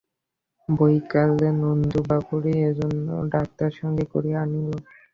বৈকালে নন্দবাবুই একজন ডাক্তার সঙ্গে করিয়া আনিল।